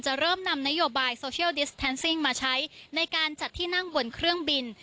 จะเริ่มนำนโยบายมาใช้ในการจัดที่นั่งบนเครื่องบิน